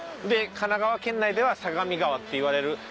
で神奈川県内では相模川っていわれる。